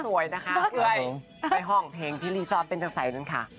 สวยนะค่ะไปห้องเพลงที่เป็นตังสัยแบบนั้นค่ะ